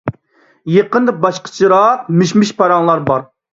يېقىندا باشقىچىراق مىش-مىش پاراڭلار بار.